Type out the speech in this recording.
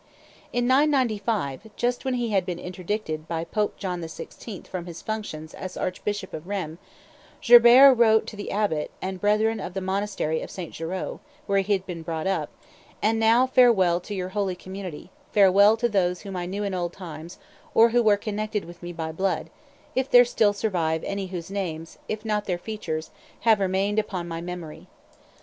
[Illustration: Gerbert, afterwards Pope Sylvester II 304] In 995, just when he had been interdicted by Pope John X VI. from his functions as Archbishop of Rheims, Gerbert wrote to the abbot and brethren of the monastery of St. Geraud, where he had been brought up, "And now farewell to your holy community; farewell to those whom I knew in old times, or who were connected with me by blood, if there still survive any whose names, if not their features, have remained upon my memory.